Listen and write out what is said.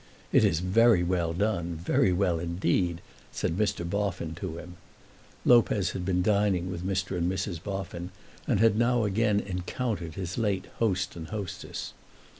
"It is very well done, very well, indeed," said Mr. Boffin to him. Lopez had been dining with Mr. and Mrs. Boffin, and had now again encountered his late host and hostess.